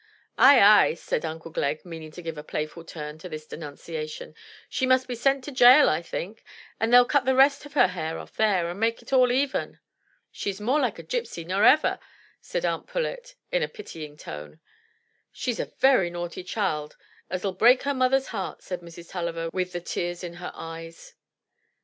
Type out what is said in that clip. "Ay, ay," said Uncle Glegg, meaning to give a playful turn to this denunciation, "she must be sent to jail I think, and they'll cut the rest of her hair off there, and make it all even." " She's more like a gipsy nor ever," said Aunt Pullet in a pitying tone. "She's a naughty child, as '11 break her mother's heart," said Mrs. Tulliver with the tears in her eyes.